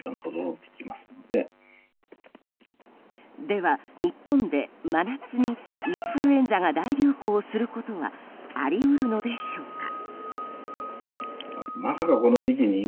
では、日本で真夏にインフルエンザが大流行することはあり得るのでしょうか。